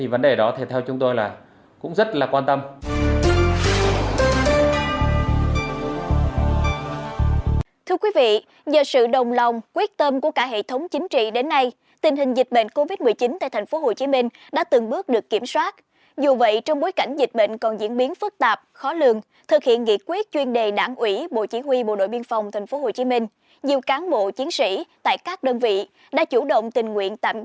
vấn đề đó theo chúng tôi là cũng rất là quan tâm